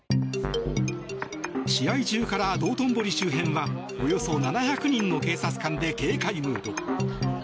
試合中から道頓堀周辺はおよそ７００人の警察官で警戒ムード。